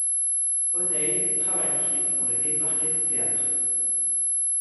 O'Neill travaille ensuite pour le Haymarket Theatre.